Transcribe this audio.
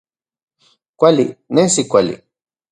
Kuali, nesi kuali